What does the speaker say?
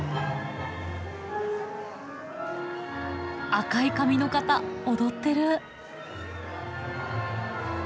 赤い髪の方踊ってる。